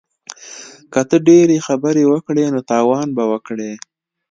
که ته ډیرې خبرې وکړې نو تاوان به وکړې